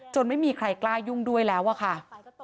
ไม่มีใครกล้ายุ่งด้วยแล้วอะค่ะ